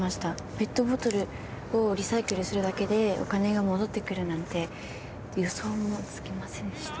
ペットボトルをリサイクルするだけでお金が戻ってくるなんて予想もつきませんでした。